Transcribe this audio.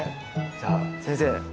じゃあ先生。